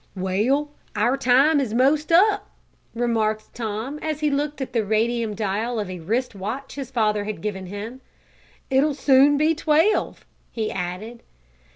"Well, our time is 'most up," remarked Tom, as he looked at the radium dial of a wrist watch his father had given him. "It'll soon be twelve," he added.